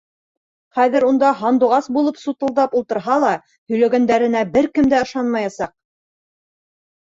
Хәҙер унда һандуғас булып сутылдап ултырһа ла, һөйләгәндәренә бер кем ышанмаясаҡ.